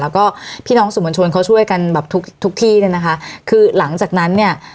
แล้วก็พี่น้องสื่อมวลชนเขาช่วยกันแบบทุกทุกที่เนี่ยนะคะคือหลังจากนั้นเนี่ย